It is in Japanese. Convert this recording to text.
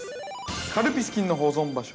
カルピス菌の保存場所。